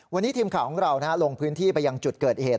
วันนี้ทีมข่าวของเราลงพื้นที่ไปยังจุดเกิดเหตุ